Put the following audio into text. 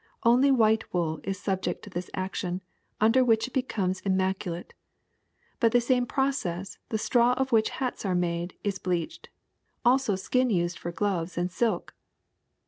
Only white wool is subject to this action, under which it becomes im maculate. By the same process the straw of which hats are made is bleached, also skins used for gloves, and silk.